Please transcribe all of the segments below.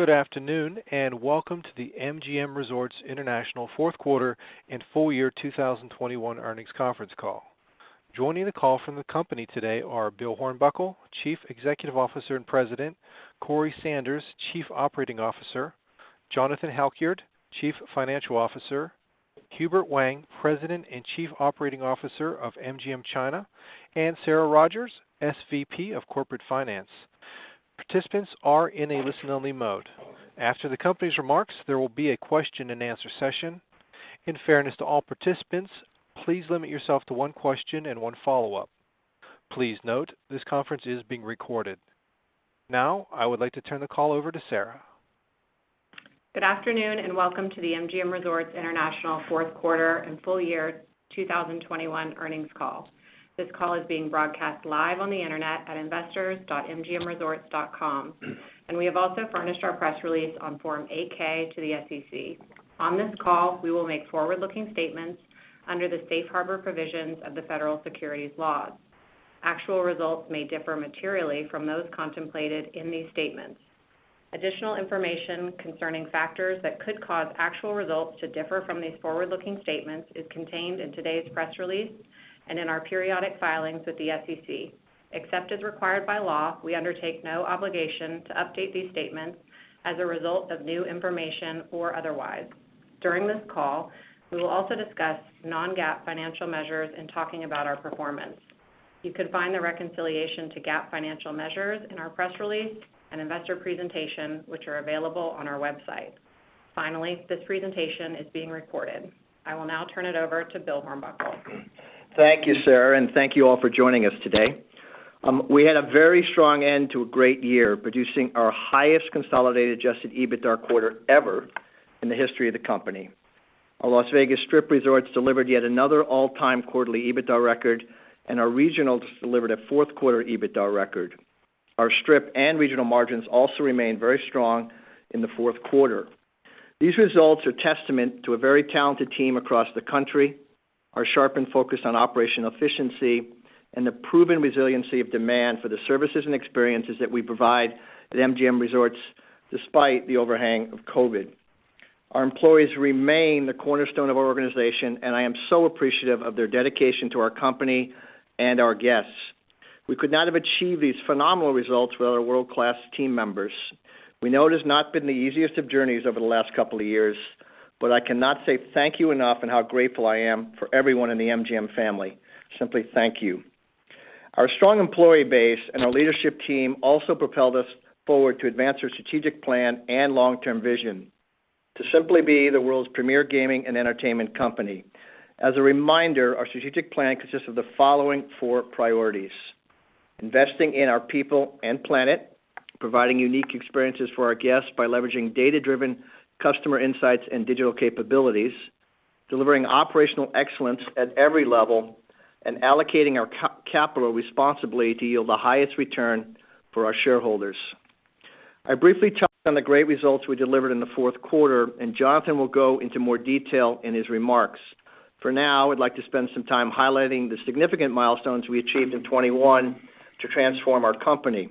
Good afternoon, and welcome to the MGM Resorts International fourth quarter and full-year 2021 earnings conference call. Joining the call from the company today are Bill Hornbuckle, Chief Executive Officer and President, Corey Sanders, Chief Operating Officer, Jonathan Halkyard, Chief Financial Officer, Hubert Wang, President and Chief Operating Officer of MGM China, and Sarah Rogers, SVP of Corporate Finance. Participants are in a listen-only mode. After the company's remarks, there will be a question-and-answer session. In fairness to all participants, please limit yourself to one question and one follow-up. Please note, this conference is being recorded. Now, I would like to turn the call over to Sarah. Good afternoon, and welcome to the MGM Resorts International fourth quarter and full-year 2021 earnings call. This call is being broadcast live on the Internet at investors.mgmresorts.com. We have also furnished our press release on Form 8-K to the SEC. On this call, we will make forward-looking statements under the safe harbor provisions of the Federal Securities Laws. Actual results may differ materially from those contemplated in these statements. Additional information concerning factors that could cause actual results to differ from these forward-looking statements is contained in today's press release and in our periodic filings with the SEC. Except as required by law, we undertake no obligation to update these statements as a result of new information or otherwise. During this call, we will also discuss non-GAAP financial measures in talking about our performance. You can find the reconciliation to GAAP financial measures in our press release and investor presentation, which are available on our website. Finally, this presentation is being recorded. I will now turn it over to Bill Hornbuckle. Thank you, Sarah, and thank you all for joining us today. We had a very strong end to a great year, producing our highest consolidated adjusted EBITDA quarter ever in the history of the company. Our Las Vegas Strip resorts delivered yet another all-time quarterly EBITDA record, and our regionals delivered a fourth quarter EBITDA record. Our Strip and regional margins also remained very strong in the fourth quarter. These results are testament to a very talented team across the country, our sharpened focus on operational efficiency, and the proven resiliency of demand for the services and experiences that we provide at MGM Resorts despite the overhang of COVID. Our employees remain the cornerstone of our organization, and I am so appreciative of their dedication to our company and our guests. We could not have achieved these phenomenal results without our world-class team members. We know it has not been the easiest of journeys over the last couple of years, but I cannot say thank you enough and how grateful I am for everyone in the MGM family. Simply thank you. Our strong employee base and our leadership team also propelled us forward to advance our strategic plan and long-term vision to simply be the world's premier gaming and entertainment company. As a reminder, our strategic plan consists of the following four priorities. Investing in our people and planet, providing unique experiences for our guests by leveraging data-driven customer insights and digital capabilities, delivering operational excellence at every level, and allocating our capital responsibly to yield the highest return for our shareholders. I briefly touched on the great results we delivered in the fourth quarter, and Jonathan will go into more detail in his remarks. For now, I'd like to spend some time highlighting the significant milestones we achieved in 2021 to transform our company.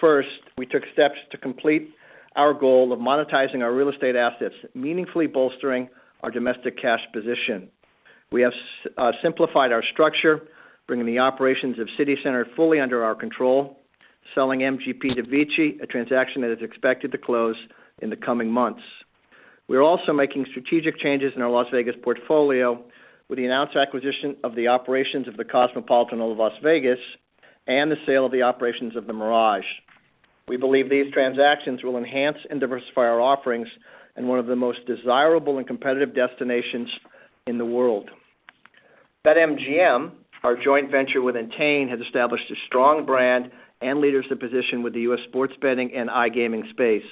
First, we took steps to complete our goal of monetizing our real estate assets, meaningfully bolstering our domestic cash position. We have simplified our structure, bringing the operations of CityCenter fully under our control, selling MGP to VICI, a transaction that is expected to close in the coming months. We are also making strategic changes in our Las Vegas portfolio with the announced acquisition of the operations of The Cosmopolitan of Las Vegas and the sale of the operations of The Mirage. We believe these transactions will enhance and diversify our offerings in one of the most desirable and competitive destinations in the world. BetMGM, our joint venture with Entain, has established a strong brand and leadership position with the U.S. sports betting and iGaming space,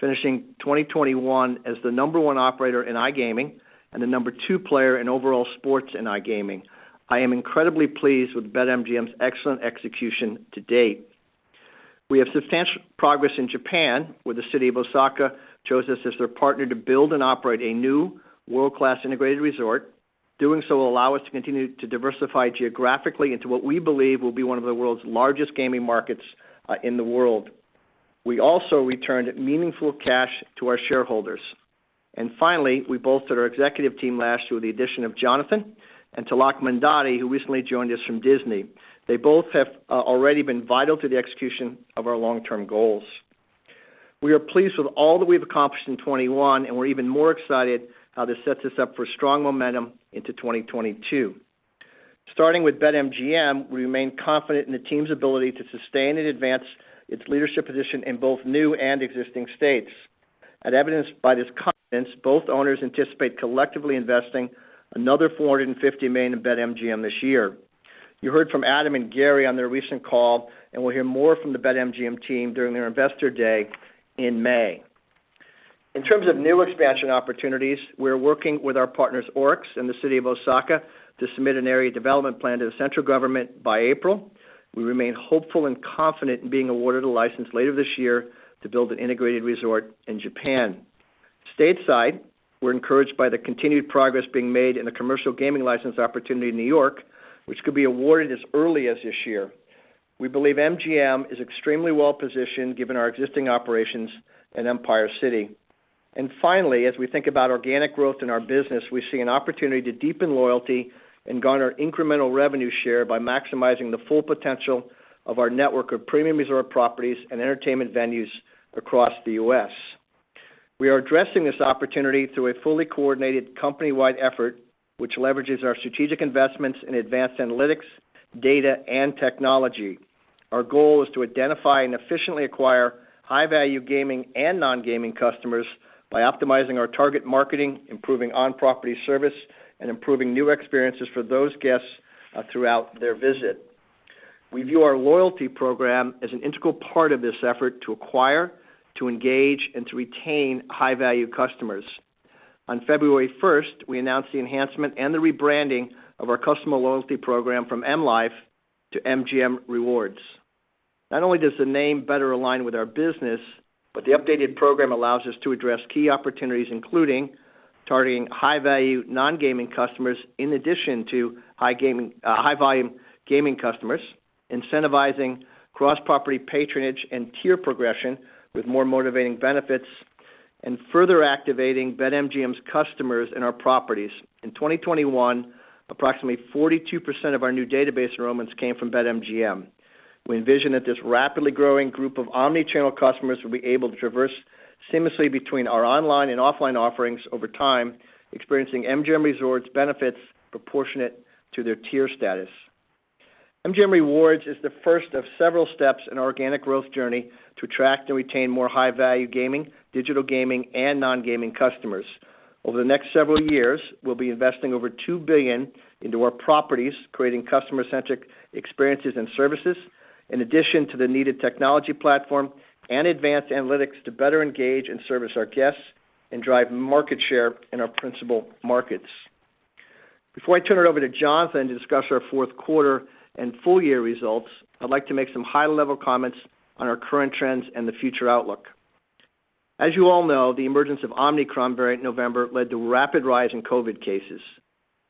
finishing 2021 as the number one operator in iGaming and the number two player in overall sports in iGaming. I am incredibly pleased with BetMGM's excellent execution to date. We have substantial progress in Japan, where the city of Osaka chose us as their partner to build and operate a new world-class integrated resort. Doing so will allow us to continue to diversify geographically into what we believe will be one of the world's largest gaming markets in the world. We also returned meaningful cash to our shareholders. Finally, we bolstered our executive team last year with the addition of Jonathan Halkyard and Tilak Mandadi, who recently joined us from Disney. They both have already been vital to the execution of our long-term goals. We are pleased with all that we've accomplished in 2021, and we're even more excited how this sets us up for strong momentum into 2022. Starting with BetMGM, we remain confident in the team's ability to sustain and advance its leadership position in both new and existing states. As evidenced by this confidence, both owners anticipate collectively investing another $450 million in BetMGM this year. You heard from Adam and Gary on their recent call, and we'll hear more from the BetMGM team during their Investor Day in May. In terms of new expansion opportunities, we're working with our partners, ORIX, in the city of Osaka to submit an area development plan to the central government by April. We remain hopeful and confident in being awarded a license later this year to build an integrated resort in Japan. Stateside, we're encouraged by the continued progress being made in the commercial gaming license opportunity in New York, which could be awarded as early as this year. We believe MGM is extremely well-positioned given our existing operations in Empire City. Finally, as we think about organic growth in our business, we see an opportunity to deepen loyalty and garner incremental revenue share by maximizing the full potential of our network of premium resort properties and entertainment venues across the U.S. We are addressing this opportunity through a fully coordinated company-wide effort, which leverages our strategic investments in advanced analytics, data, and technology. Our goal is to identify and efficiently acquire high-value gaming and non-gaming customers by optimizing our target marketing, improving on-property service, and improving new experiences for those guests throughout their visit. We view our loyalty program as an integral part of this effort to acquire, to engage, and to retain high-value customers. On February 1st, we announced the enhancement and the rebranding of our customer loyalty program from M life to MGM Rewards. Not only does the name better align with our business, but the updated program allows us to address key opportunities, including targeting high-value non-gaming customers in addition to high-volume gaming customers, incentivizing cross-property patronage and tier progression with more motivating benefits and further activating BetMGM's customers in our properties. In 2021, approximately 42% of our new database enrollments came from BetMGM. We envision that this rapidly growing group of omni-channel customers will be able to traverse seamlessly between our online and offline offerings over time, experiencing MGM Resorts benefits proportionate to their tier status. MGM Rewards is the first of several steps in our organic growth journey to attract and retain more high-value gaming, digital gaming, and non-gaming customers. Over the next several years, we'll be investing over $2 billion into our properties, creating customer-centric experiences and services, in addition to the needed technology platform and advanced analytics to better engage and service our guests and drive market share in our principal markets. Before I turn it over to Jonathan to discuss our fourth quarter and full-year results, I'd like to make some high-level comments on our current trends and the future outlook. As you all know, the emergence of Omicron variant in November led to rapid rise in COVID cases.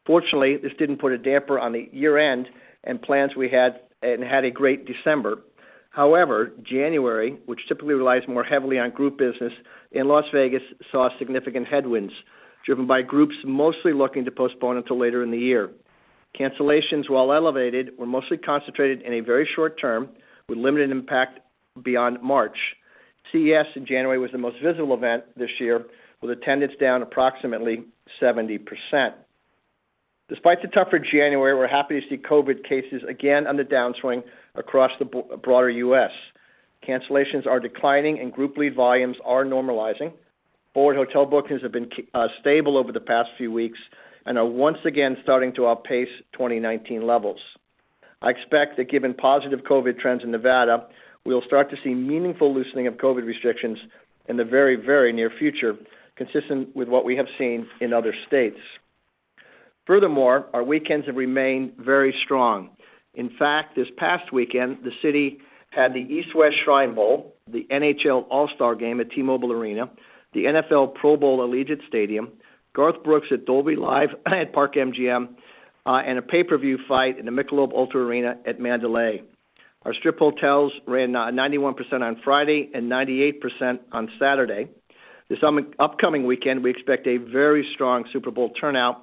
Fortunately, this didn't put a damper on the year-end and plans we had and had a great December. However, January, which typically relies more heavily on group business in Las Vegas, saw significant headwinds, driven by groups mostly looking to postpone until later in the year. Cancellations, while elevated, were mostly concentrated in a very short-term, with limited impact beyond March. CES in January was the most visible event this year, with attendance down approximately 70%. Despite the tougher January, we're happy to see COVID cases again on the downswing across the broader U.S. Cancellations are declining and group lead volumes are normalizing. Forward hotel bookings have been stable over the past few weeks and are once again starting to outpace 2019 levels. I expect that given positive COVID trends in Nevada, we'll start to see meaningful loosening of COVID restrictions in the very, very near future, consistent with what we have seen in other states. Furthermore, our weekends have remained very strong. In fact, this past weekend, the city had the East-West Shrine Bowl, the NHL All-Star Game at T-Mobile Arena, the NFL Pro Bowl at Allegiant Stadium, Garth Brooks at Dolby Live at Park MGM, and a pay-per-view fight in the Michelob Ultra Arena at Mandalay. Our Strip hotels ran 91% on Friday and 98% on Saturday. This upcoming weekend, we expect a very strong Super Bowl turnout.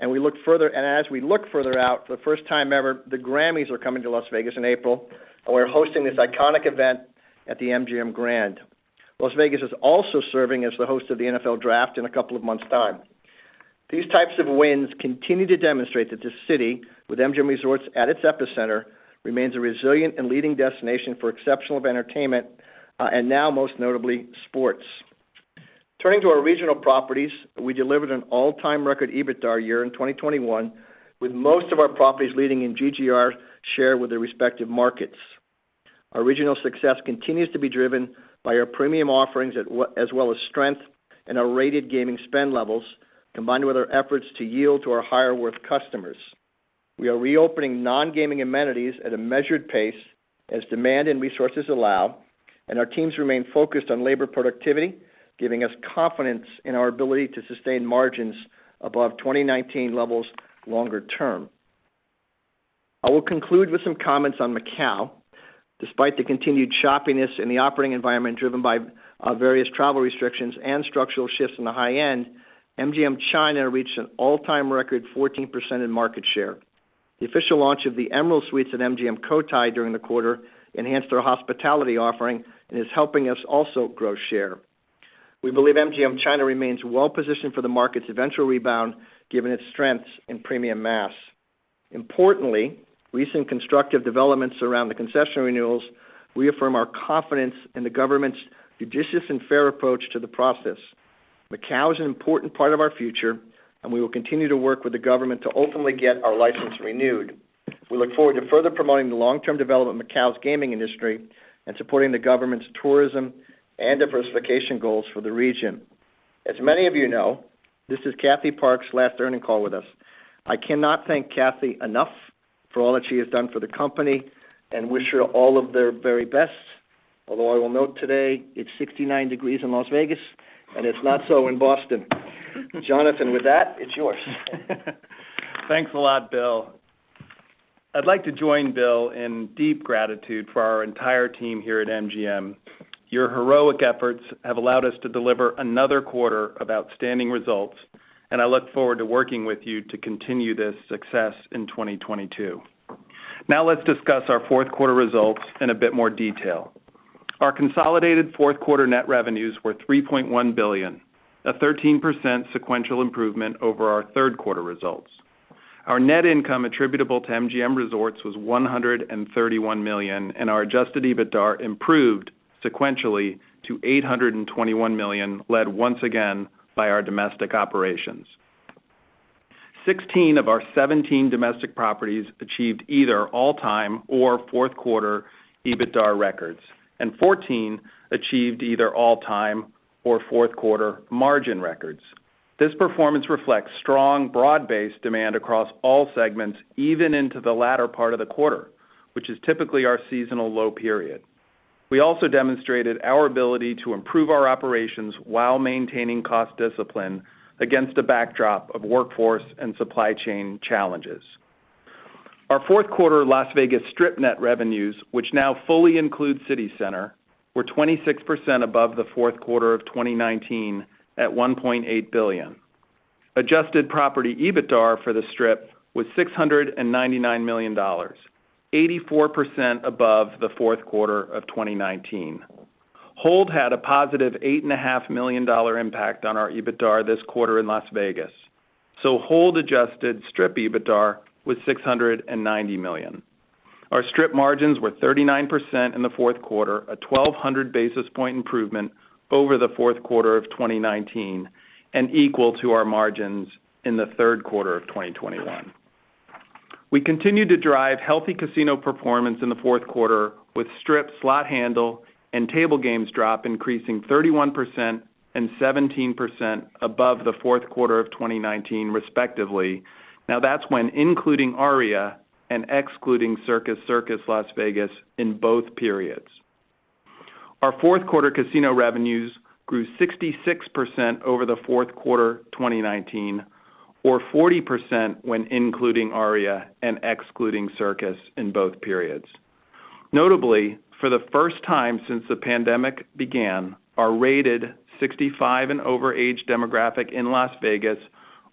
As we look further out, for the first time ever, the GRAMMYs are coming to Las Vegas in April, and we're hosting this iconic event at the MGM Grand. Las Vegas is also serving as the host of the NFL Draft in a couple of months' time. These types of wins continue to demonstrate that the city, with MGM Resorts at its epicenter, remains a resilient and leading destination for exceptional entertainment, and now most notably, sports. Turning to our regional properties, we delivered an all-time record EBITDA year in 2021, with most of our properties leading in GGR share with their respective markets. Our regional success continues to be driven by our premium offerings as well as strength in our rated gaming spend levels, combined with our efforts to yield to our higher worth customers. We are reopening non-gaming amenities at a measured pace as demand and resources allow, and our teams remain focused on labor productivity, giving us confidence in our ability to sustain margins above 2019 levels longer-term. I will conclude with some comments on Macau. Despite the continued choppiness in the operating environment driven by various travel restrictions and structural shifts in the high end, MGM China reached an all-time record 14% in market share. The official launch of the Emerald Suites at MGM Cotai during the quarter enhanced our hospitality offering and is helping us also grow share. We believe MGM China remains well-positioned for the market's eventual rebound, given its strengths in premium mass. Importantly, recent constructive developments around the concession renewals reaffirm our confidence in the government's judicious and fair approach to the process. Macau is an important part of our future, and we will continue to work with the government to ultimately get our license renewed. We look forward to further promoting the long-term development of Macau's gaming industry and supporting the government's tourism and diversification goals for the region. As many of you know, this is Kathy Park's last earnings call with us. I cannot thank Kathy enough for all that she has done for the company and wish her all the very best. Although I will note today it's 69 degrees in Las Vegas and it's not so in Boston. Jonathan, with that, it's yours. Thanks a lot, Bill. I'd like to join Bill in deep gratitude for our entire team here at MGM. Your heroic efforts have allowed us to deliver another quarter of outstanding results, and I look forward to working with you to continue this success in 2022. Now let's discuss our fourth quarter results in a bit more detail. Our consolidated fourth quarter net revenues were $3.1 billion, a 13% sequential improvement over our third quarter results. Our net income attributable to MGM Resorts was $131 million, and our adjusted EBITDA improved sequentially to $821 million, led once again by our domestic operations. 16 of our 17 domestic properties achieved either all-time or fourth quarter EBITDA records, and 14 achieved either all-time or fourth quarter margin records. This performance reflects strong, broad-based demand across all segments, even into the latter part of the quarter, which is typically our seasonal low period. We also demonstrated our ability to improve our operations while maintaining cost discipline against a backdrop of workforce and supply chain challenges. Our fourth quarter Las Vegas Strip net revenues, which now fully include CityCenter, were 26% above the fourth quarter of 2019 at $1.8 billion. Adjusted property EBITDA for the Strip was $699 million, 84% above the fourth quarter of 2019. Hold had a positive $8.5 million impact on our EBITDA this quarter in Las Vegas. Hold-adjusted Strip EBITDA was $690 million. Our Strip margins were 39% in the fourth quarter, a 1,200 basis point improvement over the fourth quarter of 2019 and equal to our margins in the third quarter of 2021. We continued to drive healthy casino performance in the fourth quarter with Strip slot handle and table games drop increasing 31% and 17% above the fourth quarter of 2019 respectively. Now, that's when including Aria and excluding Circus Circus, Las Vegas, in both periods. Our fourth quarter casino revenues grew 66% over the fourth quarter 2019, or 40% when including Aria and excluding Circus in both periods. Notably, for the first time since the pandemic began, our rated 65 and over age demographic in Las Vegas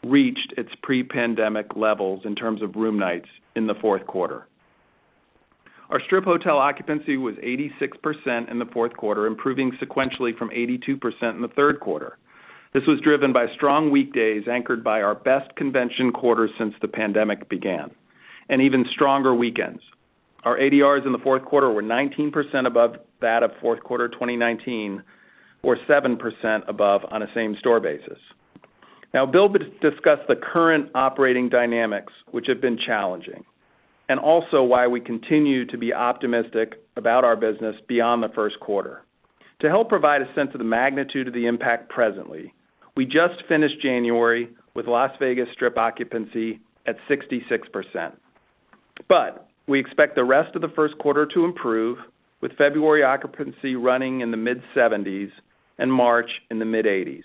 reached its pre-pandemic levels in terms of room nights in the fourth quarter. Our Strip hotel occupancy was 86% in the fourth quarter, improving sequentially from 82% in the third quarter. This was driven by strong weekdays anchored by our best convention quarter since the pandemic began, and even stronger weekends. Our ADRs in the fourth quarter were $19 above that of fourth quarter 2019 or 7% above on a same-store basis. Now, Bill discussed the current operating dynamics, which have been challenging, and also why we continue to be optimistic about our business beyond the first quarter. To help provide a sense of the magnitude of the impact presently, we just finished January with Las Vegas Strip occupancy at 66%. We expect the rest of the first quarter to improve, with February occupancy running in the mid-70s and March in the mid-80s.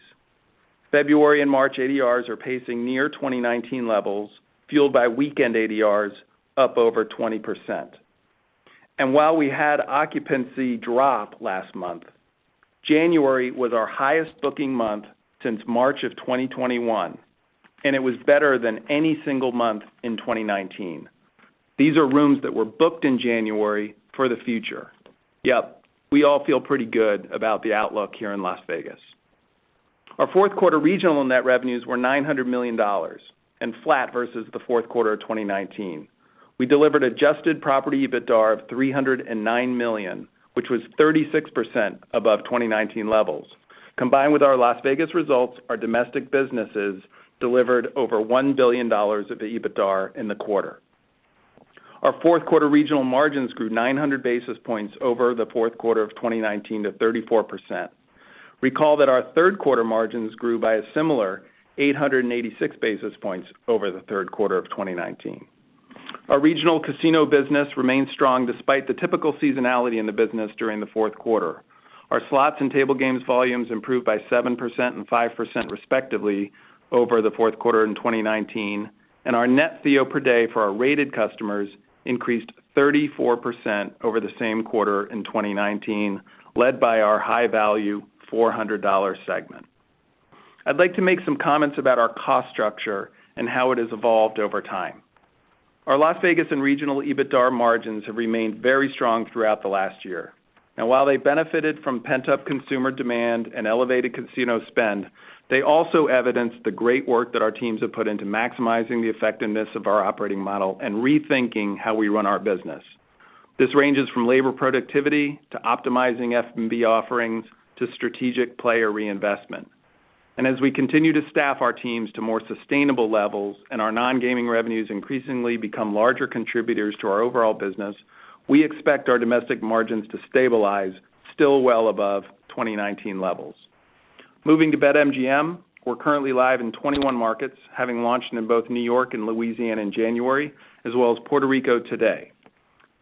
February and March ADRs are pacing near 2019 levels, fueled by weekend ADRs up over 20%. While we had occupancy drop last month, January was our highest booking month since March 2021, and it was better than any single month in 2019. These are rooms that were booked in January for the future. Yep, we all feel pretty good about the outlook here in Las Vegas. Our fourth quarter regional net revenues were $900 million and flat versus the fourth quarter of 2019. We delivered adjusted property EBITDA of $309 million, which was 36% above 2019 levels. Combined with our Las Vegas results, our domestic businesses delivered over $1 billion of EBITDA in the quarter. Our fourth quarter regional margins grew 900 basis points over the fourth quarter of 2019 to 34%. Recall that our third quarter margins grew by a similar 886 basis points over the third quarter of 2019. Our regional casino business remains strong despite the typical seasonality in the business during the fourth quarter. Our slots and table games volumes improved by 7% and 5% respectively over the fourth quarter in 2019, and our net theoretical per day for our rated customers increased 34% over the same quarter in 2019, led by our high-value $400 segment. I'd like to make some comments about our cost structure and how it has evolved over time. Our Las Vegas and regional EBITDA margins have remained very strong throughout the last year. While they benefited from pent-up consumer demand and elevated casino spend, they also evidenced the great work that our teams have put into maximizing the effectiveness of our operating model and rethinking how we run our business. This ranges from labor productivity to optimizing F&B offerings to strategic player reinvestment. As we continue to staff our teams to more sustainable levels and our non-gaming revenues increasingly become larger contributors to our overall business, we expect our domestic margins to stabilize still well above 2019 levels. Moving to BetMGM, we're currently live in 21 markets, having launched in both New York and Louisiana in January, as well as Puerto Rico today.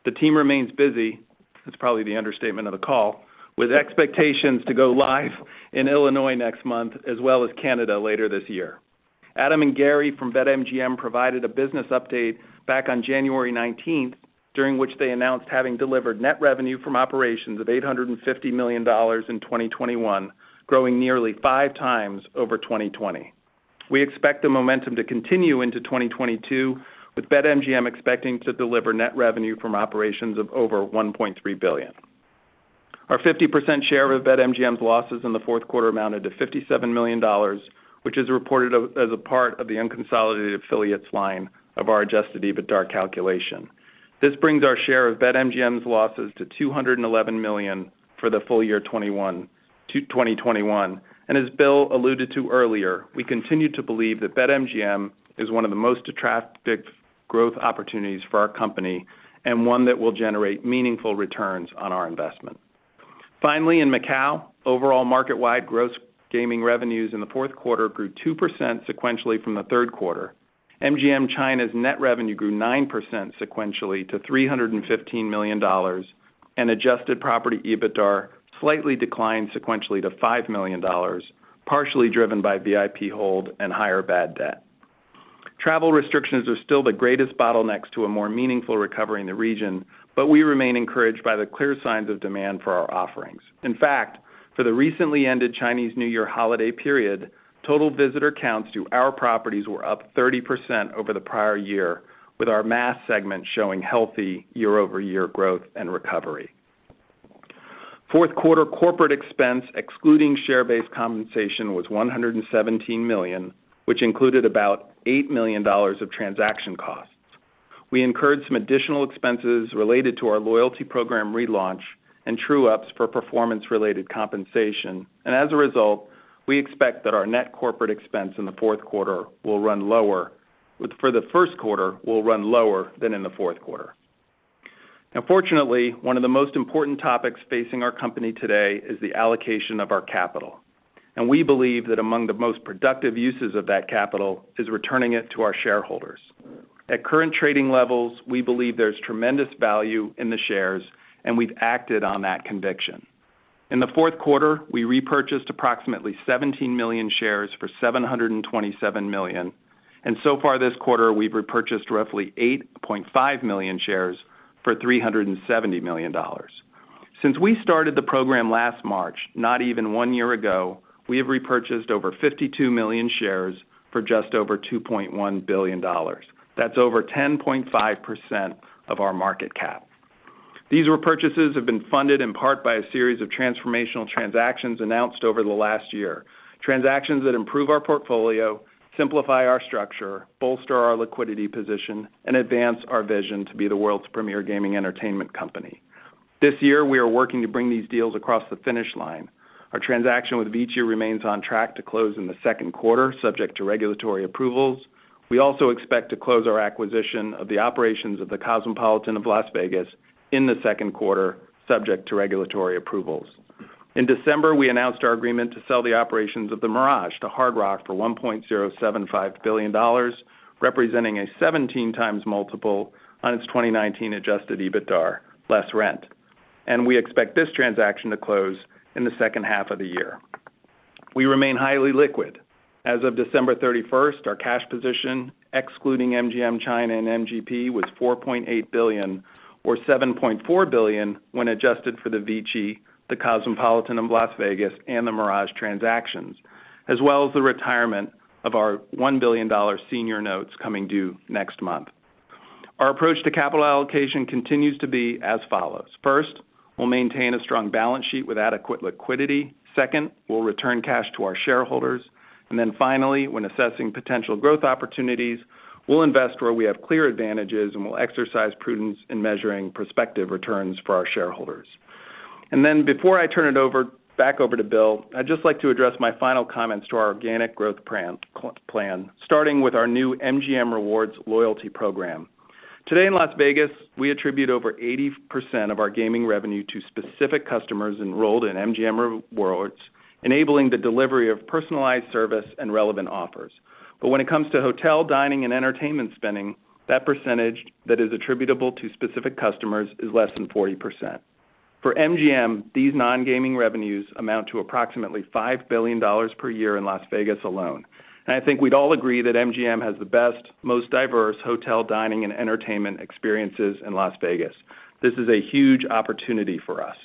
The team remains busy, that's probably the understatement of the call, with expectations to go live in Illinois next month, as well as Canada later this year. Adam and Gary from BetMGM provided a business update back on January 19, during which they announced having delivered net revenue from operations of $850 million in 2021, growing nearly 5x over 2020. We expect the momentum to continue into 2022, with BetMGM expecting to deliver net revenue from operations of over $1.3 billion. Our 50% share of BetMGM's losses in the fourth quarter amounted to $57 million, which is reported as a part of the unconsolidated affiliates line of our adjusted EBITDA calculation. This brings our share of BetMGM's losses to $211 million for the full-year 2021. As Bill alluded to earlier, we continue to believe that BetMGM is one of the most attractive growth opportunities for our company and one that will generate meaningful returns on our investment. Finally, in Macau, overall market-wide gross gaming revenues in the fourth quarter grew 2% sequentially from the third quarter. MGM China's net revenue grew 9% sequentially to $315 million and adjusted property EBITDA slightly declined sequentially to $5 million, partially driven by VIP hold and higher bad debt. Travel restrictions are still the greatest bottlenecks to a more meaningful recovery in the region, but we remain encouraged by the clear signs of demand for our offerings. In fact, for the recently ended Chinese New Year holiday period, total visitor counts to our properties were up 30% over the prior year, with our mass segment showing healthy year-over-year growth and recovery. Fourth quarter corporate expense, excluding share-based compensation, was $117 million, which included about $8 million of transaction costs. We incurred some additional expenses related to our loyalty program relaunch and true-ups for performance-related compensation. As a result, we expect that our net corporate expense for the first quarter will run lower than in the fourth quarter. Now fortunately, one of the most important topics facing our company today is the allocation of our capital, and we believe that among the most productive uses of that capital is returning it to our shareholders. At current trading levels, we believe there's tremendous value in the shares, and we've acted on that conviction. In the fourth quarter, we repurchased approximately 17 million shares for $727 million, and so far this quarter, we've repurchased roughly 8.5 million shares for $370 million. Since we started the program last March, not even one year ago, we have repurchased over 52 million shares for just over $2.1 billion. That's over 10.5% of our market cap. These repurchases have been funded in part by a series of transformational transactions announced over the last year, transactions that improve our portfolio, simplify our structure, bolster our liquidity position, and advance our vision to be the world's premier gaming entertainment company. This year, we are working to bring these deals across the finish line. Our transaction with VICI remains on track to close in the second quarter, subject to regulatory approvals. We also expect to close our acquisition of the operations of The Cosmopolitan of Las Vegas in the second quarter, subject to regulatory approvals. In December, we announced our agreement to sell the operations of The Mirage to Hard Rock for $1.075 billion, representing a 17x multiple on its 2019 adjusted EBITDA less rent. We expect this transaction to close in the second half of the year. We remain highly liquid. As of December 31st, our cash position, excluding MGM China and MGP, was $4.8 billion or $7.4 billion when adjusted for the VICI, The Cosmopolitan in Las Vegas, and The Mirage transactions, as well as the retirement of our $1 billion senior notes coming due next month. Our approach to capital allocation continues to be as follows. First, we'll maintain a strong balance sheet with adequate liquidity. Second, we'll return cash to our shareholders. Then finally, when assessing potential growth opportunities, we'll invest where we have clear advantages, and we'll exercise prudence in measuring prospective returns for our shareholders. Then before I turn it back over to Bill, I'd just like to address my final comments to our organic growth plan, starting with our new MGM Rewards loyalty program. Today in Las Vegas, we attribute over 80% of our gaming revenue to specific customers enrolled in MGM Rewards, enabling the delivery of personalized service and relevant offers. When it comes to hotel, dining, and entertainment spending, that percentage that is attributable to specific customers is less than 40%. For MGM, these non-gaming revenues amount to approximately $5 billion per year in Las Vegas alone. I think we'd all agree that MGM has the best, most diverse hotel, dining, and entertainment experiences in Las Vegas. This is a huge opportunity for us.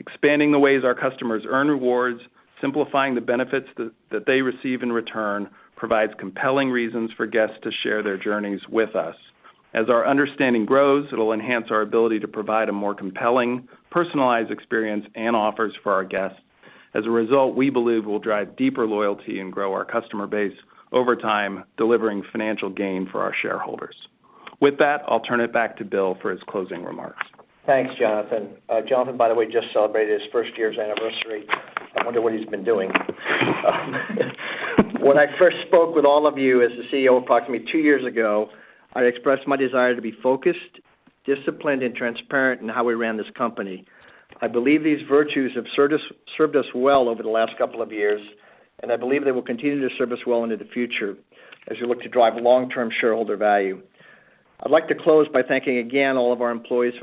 Expanding the ways our customers earn rewards, simplifying the benefits that they receive in return, provides compelling reasons for guests to share their journeys with us. As our understanding grows, it'll enhance our ability to provide a more compelling, personalized experience and offers for our guests. As a result, we believe we'll drive deeper loyalty and grow our customer base over time, delivering financial gain for our shareholders. With that, I'll turn it back to Bill for his closing remarks. Thanks, Jonathan. Jonathan, by the way, just celebrated his first year's anniversary. I wonder what he's been doing. When I first spoke with all of you as the CEO approximately two years ago, I expressed my desire to be focused, disciplined and transparent in how we ran this company. I believe these virtues have served us well over the last couple of years, and I believe they will continue to serve us well into the future as we look to drive long-term shareholder value. I'd like to close by thanking again all of our employees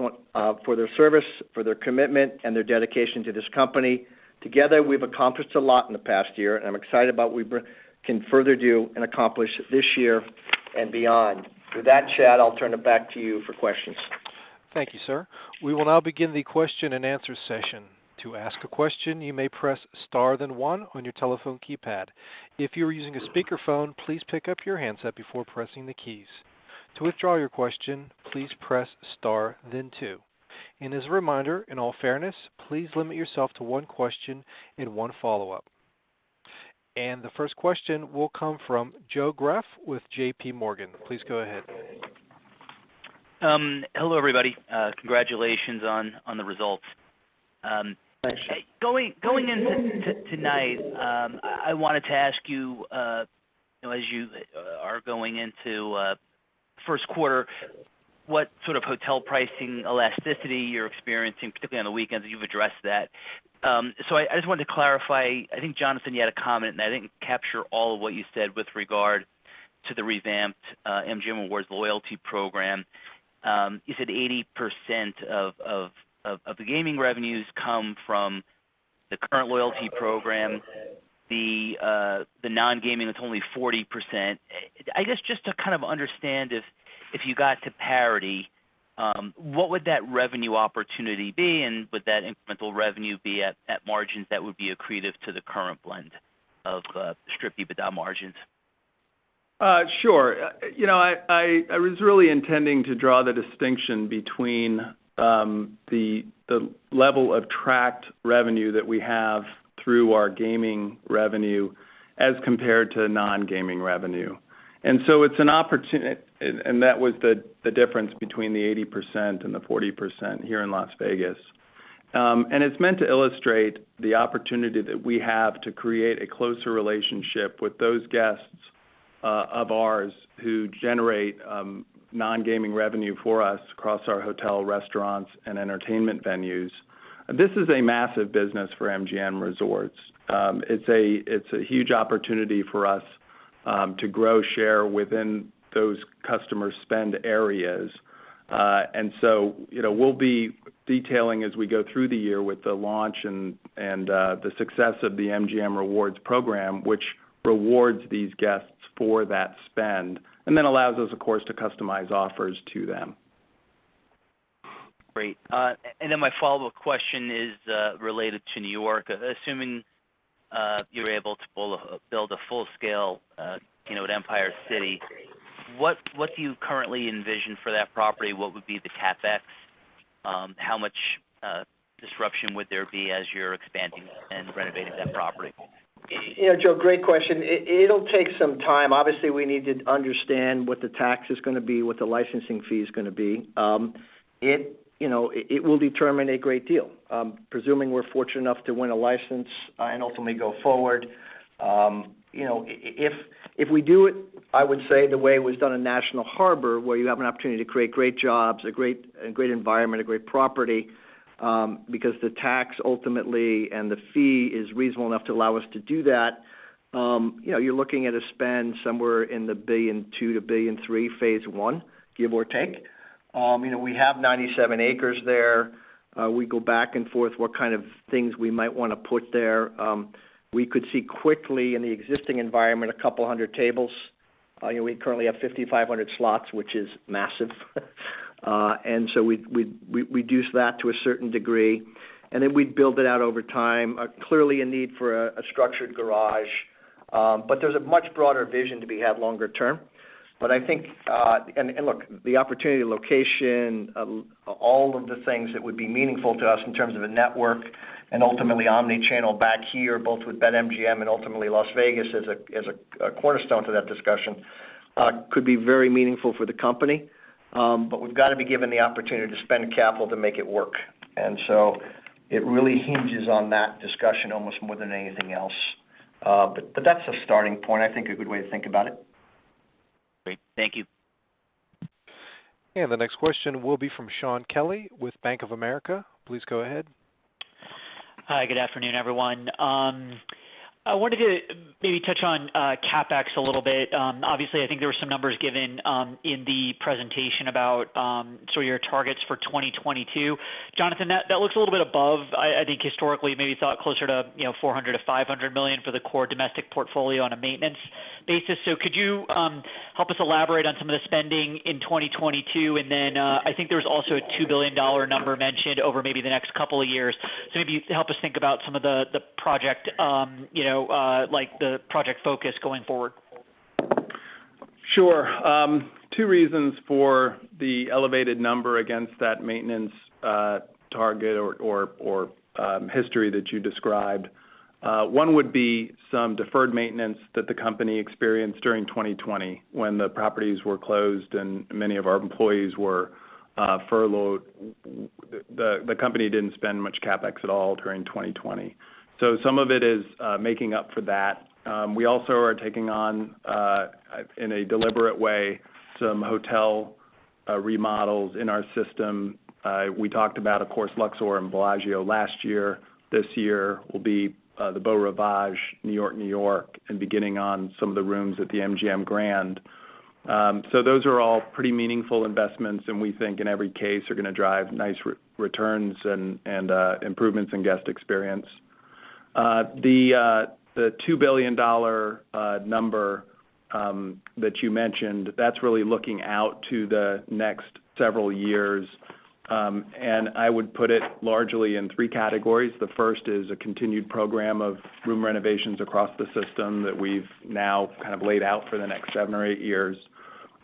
for their service, for their commitment, and their dedication to this company. Together, we've accomplished a lot in the past year, and I'm excited about what we can further do and accomplish this year and beyond. With that, Chad, I'll turn it back to you for questions. Thank you, sir. We will now begin the question-and-answer session. To ask a question, you may press star then one on your telephone keypad. If you're using a speakerphone, please pick up your handset before pressing the keys. To withdraw your question, please press star then two. As a reminder, in all fairness, please limit yourself to one question and one follow-up. The first question will come from Joe Greff with JP Morgan. Please go ahead. Hello, everybody. Congratulations on the results. Thanks. Going into tonight, I wanted to ask you know, as you are going into first quarter, what sort of hotel pricing elasticity you're experiencing, particularly on the weekends. You've addressed that. So I just wanted to clarify. I think, Jonathan, you had a comment, and I didn't capture all of what you said with regard to the revamped MGM Rewards loyalty program. You said 80% of the gaming revenues come from the current loyalty program, the nongaming, it's only 40%. I guess, just to kind of understand if you got to parity, what would that revenue opportunity be? And would that incremental revenue be at margins that would be accretive to the current blend of strip EBITDA margins? Sure. You know, I was really intending to draw the distinction between the level of tracked revenue that we have through our gaming revenue as compared to nongaming revenue. It's that difference between the 80% and the 40% here in Las Vegas. It's meant to illustrate the opportunity that we have to create a closer relationship with those guests of ours who generate nongaming revenue for us across our hotel, restaurants, and entertainment venues. This is a massive business for MGM Resorts. It's a huge opportunity for us to grow share within those customers' spend areas. You know, we'll be detailing as we go through the year with the launch and the success of the MGM Rewards program, which rewards these guests for that spend, and then allows us, of course, to customize offers to them. Great. My follow-up question is related to New York. Assuming you're able to build a full-scale, you know, at Empire City, what do you currently envision for that property? What would be the CapEx? How much disruption would there be as you're expanding and renovating that property? You know, Joe, great question. It'll take some time. Obviously, we need to understand what the tax is going to be, what the licensing fee is going to be. You know, it will determine a great deal. Presuming we're fortunate enough to win a license and ultimately go forward, you know, if we do it, I would say the way it was done in National Harbor, where you have an opportunity to create great jobs, a great environment, a great property, because the tax ultimately and the fee is reasonable enough to allow us to do that, you know, you're looking at a spend somewhere in the $1.2 billion-$1.3 billion, phase I, give or take. You know, we have 97 acres there. We go back and forth, what kind of things we might want to put there. We could see quickly in the existing environment 200 tables. You know, we currently have 5,500 slots, which is massive. We'd reduce that to a certain degree, and then we'd build it out over time. Clearly a need for a structured garage. There's a much broader vision to be had longer term. I think... Look, the opportunity, location, all of the things that would be meaningful to us in terms of a network and ultimately omni-channel back here, both with BetMGM and ultimately Las Vegas as a cornerstone to that discussion, could be very meaningful for the company. We've got to be given the opportunity to spend capital to make it work. It really hinges on that discussion almost more than anything else. That's a starting point, I think, a good way to think about it. Great. Thank you. The next question will be from Shaun Kelley with Bank of America. Please go ahead. Hi, good afternoon, everyone. I wanted to maybe touch on CapEx a little bit. Obviously, I think there were some numbers given in the presentation about sort of your targets for 2022. Jonathan, that looks a little bit above. I think historically maybe thought closer to, you know, $400 million-$500 million for the core domestic portfolio on a maintenance basis. Could you help us elaborate on some of the spending in 2022? Then, I think there was also a $2 billion number mentioned over maybe the next couple of years. Maybe help us think about some of the project, you know, like the project focus going forward. Sure. Two reasons for the elevated number against that maintenance target or history that you described. One would be some deferred maintenance that the company experienced during 2020 when the properties were closed and many of our employees were furloughed. The company didn't spend much CapEx at all during 2020. So some of it is making up for that. We also are taking on, in a deliberate way, some hotel remodels in our system. We talked about, of course, Luxor and Bellagio last year. This year will be the Beau Rivage, New York-New York, and beginning on some of the rooms at the MGM Grand. So those are all pretty meaningful investments, and we think in every case are gonna drive nice returns and improvements in guest experience. The $2 billion number that you mentioned, that's really looking out to the next several years. I would put it largely in three categories. The first is a continued program of room renovations across the system that we've now kind of laid out for the next seven or eight years.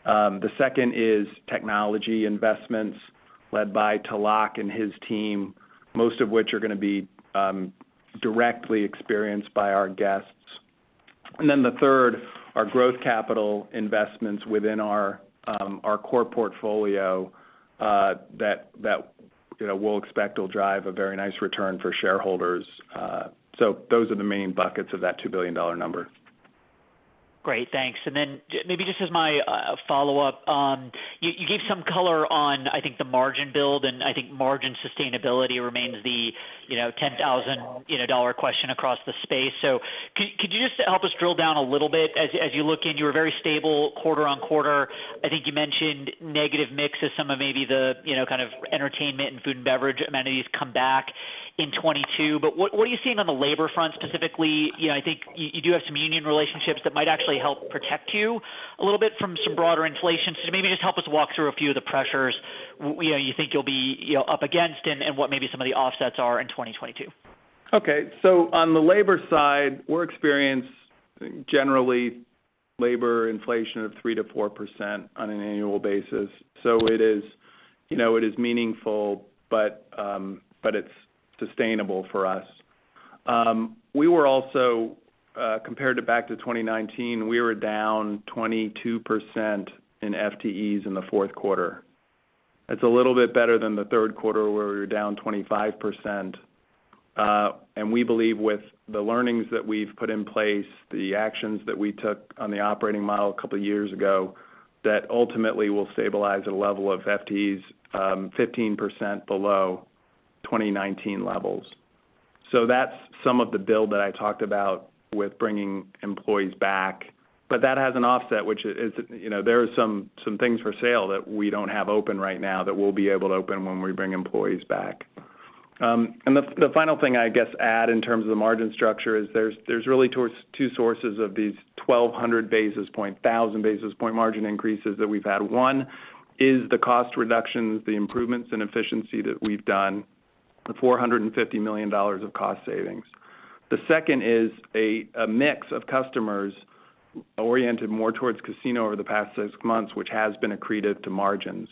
The second is technology investments led by Tilak and his team, most of which are gonna be directly experienced by our guests. The third are growth capital investments within our core portfolio that you know we'll expect will drive a very nice return for shareholders. Those are the main buckets of that $2 billion number. Great. Thanks. Maybe just as my follow-up, you gave some color on, I think, the margin build, and I think margin sustainability remains the, you know, 10,000-dollar question across the space. Could you just help us drill down a little bit as you look into a very stable quarter-over-quarter? I think you mentioned negative mix as some of maybe the, you know, kind of entertainment and food and beverage amenities come back in 2022. What are you seeing on the labor front specifically? You know, I think you do have some union relationships that might actually help protect you a little bit from some broader inflation. Maybe just help us walk through a few of the pressures, you know, you think you'll be, you know, up against and what maybe some of the offsets are in 2022. Okay. On the labor side, we're experienced, generally labor inflation of 3%-4% on an annual basis. It is, you know, it is meaningful, but it's sustainable for us. We were also compared to back to 2019, we were down 22% in FTEs in the fourth quarter. That's a little bit better than the third quarter, where we were down 25%. We believe with the learnings that we've put in place, the actions that we took on the operating model a couple of years ago, that ultimately will stabilize at a level of FTEs, 15% below 2019 levels. That's some of the build that I talked about with bringing employees back. That has an offset, which is, you know, there are some things for sale that we don't have open right now that we'll be able to open when we bring employees back. The final thing I guess add in terms of the margin structure is there's really two sources of these 1,200 basis points, 1,000 basis points margin increases that we've had. One is the cost reductions, the improvements in efficiency that we've done, the $450 million of cost savings. The second is a mix of customers oriented more towards casino over the past six months, which has been accretive to margins.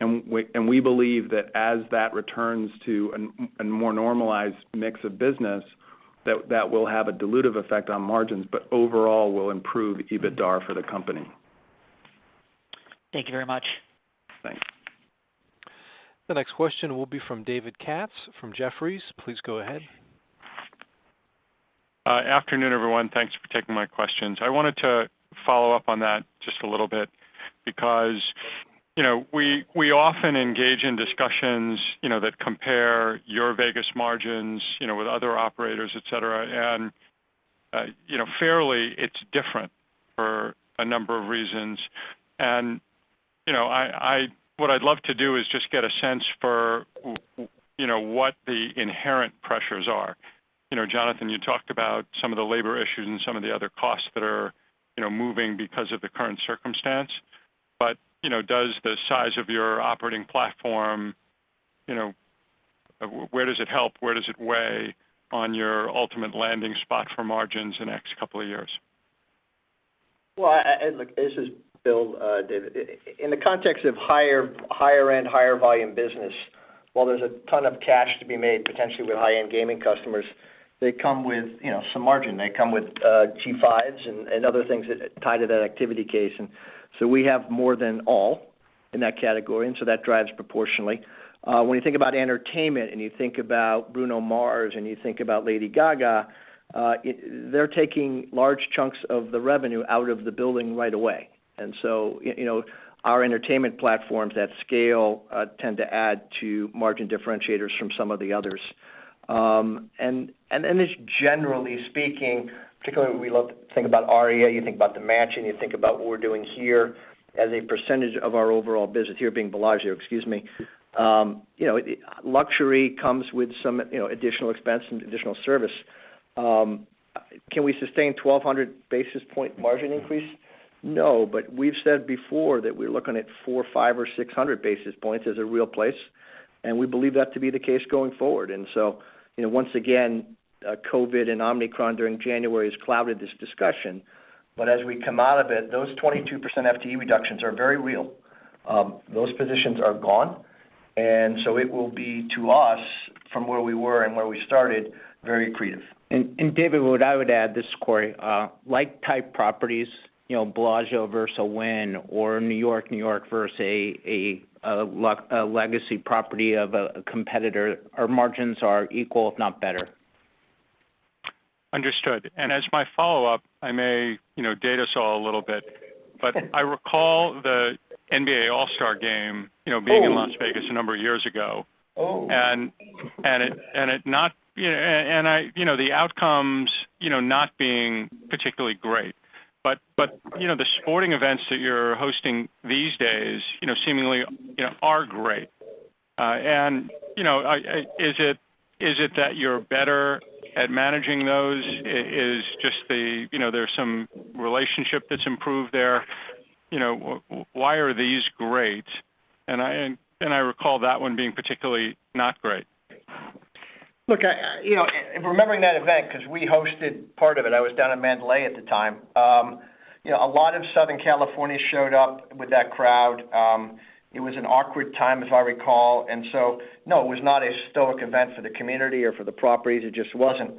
We believe that as that returns to a more normalized mix of business, that will have a dilutive effect on margins, but overall will improve EBITDA for the company. Thank you very much. Thanks. The next question will be from David Katz from Jefferies. Please go ahead. Afternoon, everyone. Thanks for taking my questions. I wanted to follow up on that just a little bit because, you know, we often engage in discussions, you know, that compare your Vegas margins, you know, with other operators, et cetera. You know, fairly, it's different for a number of reasons. You know, what I'd love to do is just get a sense for, you know, what the inherent pressures are. You know, Jonathan, you talked about some of the labor issues and some of the other costs that are, you know, moving because of the current circumstance. You know, does the size of your operating platform, you know, where does it help? Where does it weigh on your ultimate landing spot for margins the next couple of years? This is Bill, David. In the context of higher end, higher volume business, while there's a ton of cash to be made, potentially with high-end gaming customers, they come with, you know, some margin. They come with G5s and other things that tie to that activity case. We have more than all in that category, and so that drives proportionally. When you think about entertainment and you think about Bruno Mars and you think about Lady Gaga, they're taking large chunks of the revenue out of the building right away. You know, our entertainment platforms that scale tend to add to margin differentiators from some of the others. Then just generally speaking, particularly when we think about reinvestment, you think about the matching, you think about what we're doing here as a percentage of our overall business here being Bellagio, excuse me. You know, luxury comes with some, you know, additional expense and additional service. Can we sustain 1,200 basis point margin increase? No, but we've said before that we're looking at 400, 500 or 600 basis points as a real place, and we believe that to be the case going forward. You know, once again, COVID and Omicron during January has clouded this discussion. As we come out of it, those 22% FTE reductions are very real. Those positions are gone. It will be, to us, from where we were and where we started, very accretive. David, what I would add, this is Corey. Like-type properties, you know, Bellagio versus Wynn or New York-New York versus a legacy property of a competitor, our margins are equal, if not better. Understood. As my follow-up, I may date myself a little bit. But I recall the NBA All-Star Game, you know, being in Las Vegas a number of years ago. Oh. You know, the outcomes, you know, not being particularly great. You know, the sporting events that you're hosting these days, you know, seemingly, you know, are great. You know, is it that you're better at managing those? Is it just that, you know, there's some relationship that's improved there? You know, why are these great? I recall that one being particularly not great. Look, you know, remembering that event because we hosted part of it. I was down in Mandalay at the time. You know, a lot of Southern California showed up with that crowd. It was an awkward time, as I recall. No, it was not a stoic event for the community or for the properties. It just wasn't.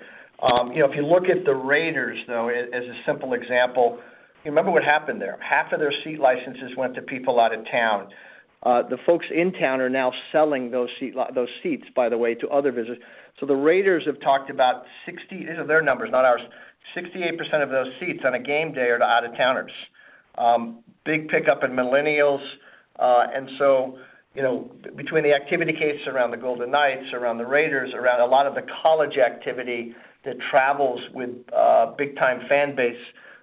You know, if you look at the Raiders, though, as a simple example, you remember what happened there. Half of their seat licenses went to people out of town. The folks in town are now selling those seats, by the way, to other visitors. The Raiders have talked about 68%, these are their numbers, not ours, of those seats on a game day are to out-of-towners. Big pickup in millennials. You know, between the activity case around the Golden Knights, around the Raiders, around a lot of the college activity that travels with a big-time fan base,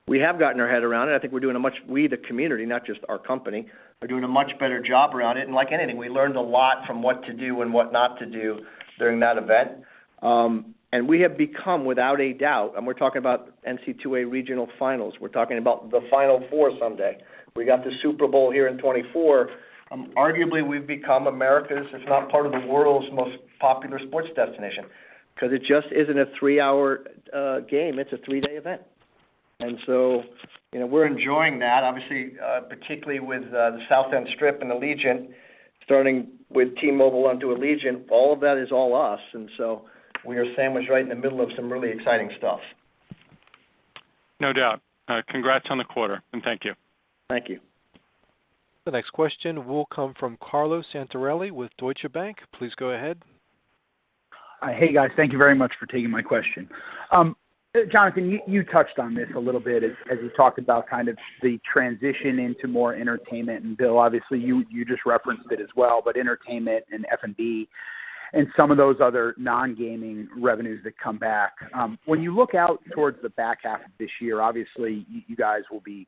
we have gotten our head around it. I think we, the community, not just our company, are doing a much better job around it. Like anything, we learned a lot from what to do and what not to do during that event. We have become, without a doubt, we're talking about NCAA regional finals. We're talking about the Final Four someday. We got the Super Bowl here in 2024. Arguably, we've become America's, if not part of the world's, most popular sports destination because it just isn't a three-hour game, it's a three-day event. you know, we're enjoying that, obviously, particularly with the South End Strip and Allegiant, starting with T-Mobile onto Allegiant, all of that is all us. We are sandwiched right in the middle of some really exciting stuff. No doubt. Congrats on the quarter, and thank you. Thank you. The next question will come from Carlo Santarelli with Deutsche Bank. Please go ahead. Hey, guys. Thank you very much for taking my question. Jonathan, you touched on this a little bit as you talked about kind of the transition into more entertainment. Bill, obviously, you just referenced it as well, but entertainment and F&B and some of those other non-gaming revenues that come back. When you look out towards the back half of this year, obviously, you guys will be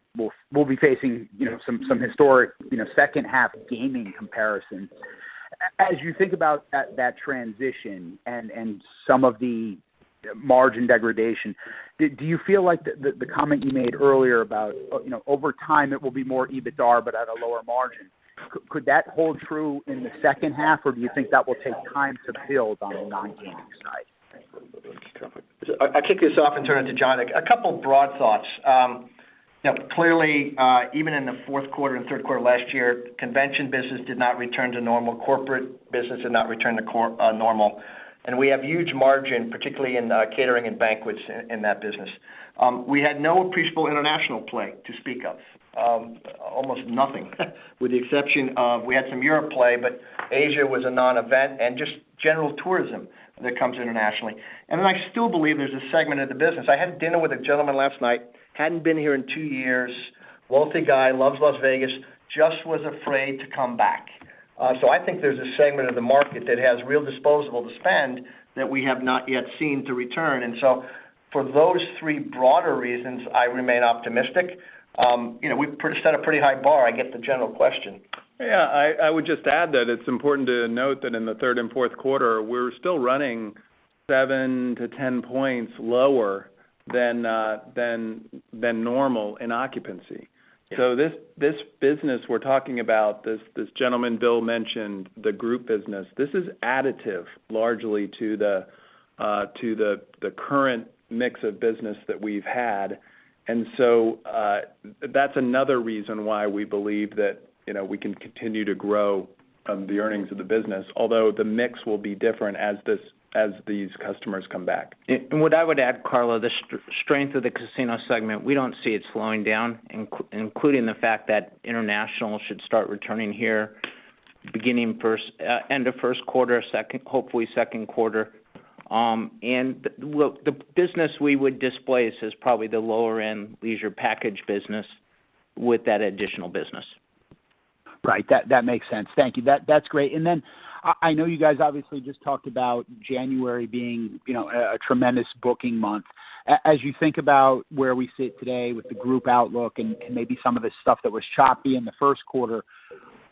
facing, you know, some historic, you know, second half gaming comparisons. As you think about that transition and some of the margin degradation, do you feel like the comment you made earlier about, you know, over time it will be more EBITDA but at a lower margin, could that hold true in the second half, or do you think that will take time to build on the non-gaming side? I'll kick this off and turn it to John. A couple broad thoughts. You know, clearly, even in the fourth quarter and third quarter last year, convention business did not return to normal. Corporate business did not return to normal. We have huge margin, particularly in catering and banquets in that business. We had no appreciable international play to speak of, almost nothing with the exception of we had some Europe play, but Asia was a non-event and just general tourism that comes internationally. I still believe there's a segment of the business. I had dinner with a gentleman last night, hadn't been here in two years, wealthy guy, loves Las Vegas, just was afraid to come back. I think there's a segment of the market that has real disposable to spend that we have not yet seen to return. For those three broader reasons, I remain optimistic. You know, we've set a pretty high bar. I get the general question. Yeah, I would just add that it's important to note that in the third and fourth quarter, we're still running seven-10 points lower than normal in occupancy. This business we're talking about, this gentleman Bill mentioned, the group business, this is additive largely to the current mix of business that we've had. That's another reason why we believe that, you know, we can continue to grow the earnings of the business, although the mix will be different as these customers come back. What I would add, Carlo, the strength of the casino segment, we don't see it slowing down, including the fact that international should start returning here beginning end of first quarter, second, hopefully second quarter. Look, the business we would displace is probably the lower end leisure package business with that additional business. Right. That makes sense. Thank you. That's great. I know you guys obviously just talked about January being, you know, a tremendous booking month. As you think about where we sit today with the group outlook and maybe some of the stuff that was choppy in the first quarter,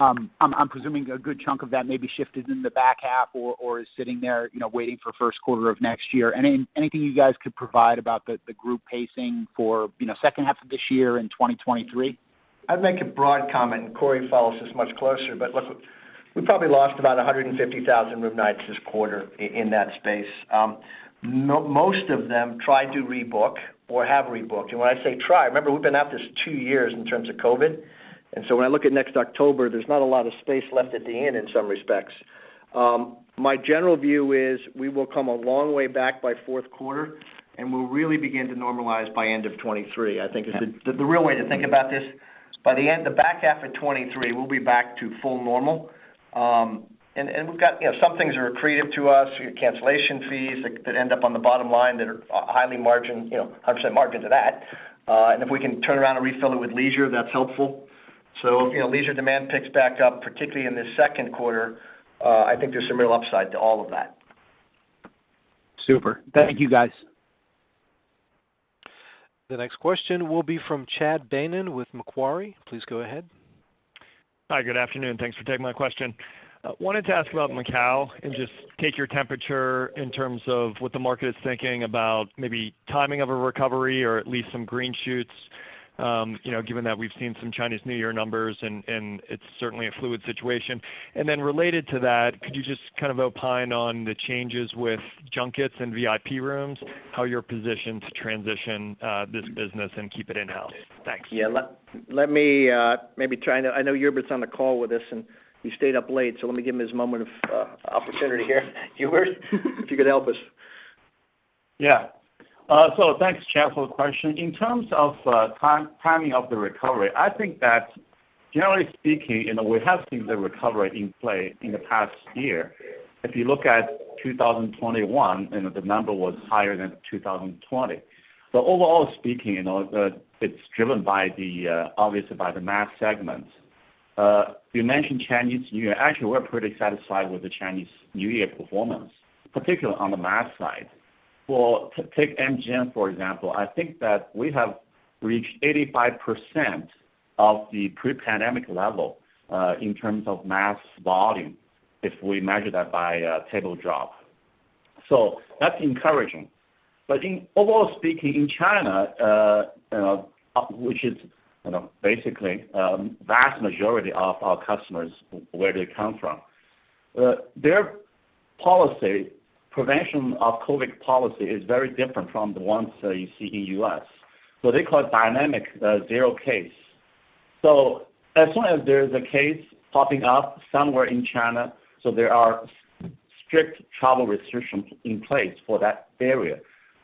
I'm presuming a good chunk of that may be shifted in the back half or is sitting there, you know, waiting for first quarter of next year. Anything you guys could provide about the group pacing for, you know, second half of this year and 2023? I'd make a broad comment, and Corey follows this much closer. Look, we probably lost about 150,000 room nights this quarter in that space. Most of them tried to rebook or have rebooked. When I say try, remember, we've been at this two years in terms of COVID. When I look at next October, there's not a lot of space left at the inn in some respects. My general view is we will come a long way back by fourth quarter, and we'll really begin to normalize by end of 2023, I think is the real way to think about this. By the end, the back half of 2023, we'll be back to full normal. We've got, you know, some things are accretive to us, our cancellation fees that end up on the bottom line that are high margin, you know, 100% margin to that. If we can turn around and refill it with leisure, that's helpful. You know, leisure demand picks back up, particularly in the second quarter. I think there's some real upside to all of that. Super. Thank you guys. The next question will be from Chad Beynon with Macquarie. Please go ahead. Hi, good afternoon. Thanks for taking my question. I wanted to ask about Macau and just take your temperature in terms of what the market is thinking about maybe timing of a recovery or at least some green shoots, you know, given that we've seen some Chinese New Year numbers and it's certainly a fluid situation. Related to that, could you just kind of opine on the changes with junkets and VIP rooms, how you're positioned to transition this business and keep it in-house? Thanks. Yeah. Let me maybe try. I know Hubert's on the call with us, and he stayed up late, so let me give him his moment of opportunity here. Hubert, if you could help us. Yeah. So thanks, Chad, for the question. In terms of timing of the recovery, I think that generally speaking, you know, we have seen the recovery in play in the past year. If you look at 2021, you know, the number was higher than 2020. Overall speaking, you know, the it's driven by the obviously by the mass segments. You mentioned Chinese New Year. Actually, we're pretty satisfied with the Chinese New Year performance, particularly on the mass side. Take MGM, for example, I think that we have reached 85% of the pre-pandemic level in terms of mass volume if we measure that by table drop. So that's encouraging. Overall speaking, in China, you know, which is, you know, basically vast majority of our customers, where they come from, their COVID prevention policy is very different from the ones that you see in U.S. They call it dynamic zero-COVID. As soon as there is a case popping up somewhere in China, there are strict travel restrictions in place for that area.